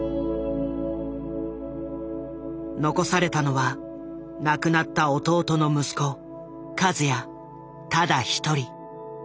残されたのは亡くなった弟の息子和也ただ一人。